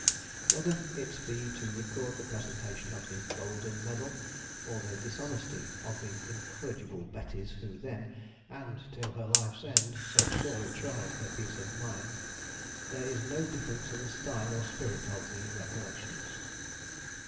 Whether it be to record the presentation of the "golden medal," or the dishonesty of the incorrigible Betties who then, and till her life's end, so sorely tried her peace of mind, there is no difference in the style or spirit of the "Recollections."